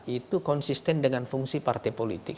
itu konsisten dengan fungsi partai politik